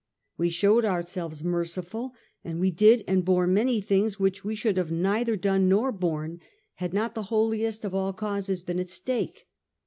... We showed ourselves merciful, and we did and bore many things which we should have neither done nor borne, had not the holiest of all causes been at stake.